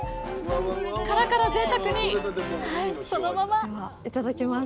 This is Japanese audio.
殻からぜいたくにそのままではいただきます。